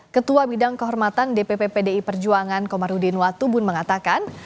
ketua bidang kehormatan dpp pdi perjuangan komarudin watubun mengatakan